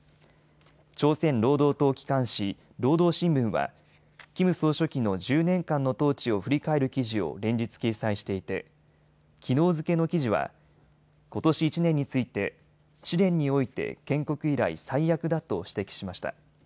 朝鮮労働党機関紙、労働新聞はキム総書記の１０年間の統治を振り返る記事を連日掲載していてきのう付けの記事はことし１年について試練において建国以来最悪だと指摘しました。